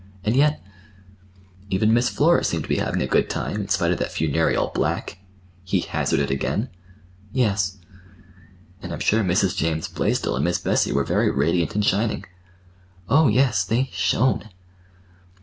And yet— "Even Miss Flora seemed to be having a good time, in spite of that funereal black," he hazarded again. "Yes." "And I'm sure Mrs. James Blaisdell and Miss Bessie were very radiant and shining." "Oh, yes, they—shone." Mr.